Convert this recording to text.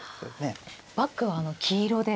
バッグはあの黄色で。